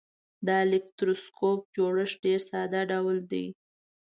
د الکتروسکوپ جوړښت ډیر ساده ډول دی.